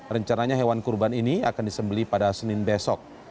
rencananya hewan kurban ini akan disembeli pada senin besok